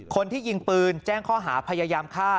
คนที่ยิงปืนแจ้งข้อหาพยายามฆ่า